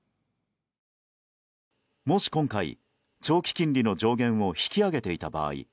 もし今回、長期金利の上限を引き上げていた場合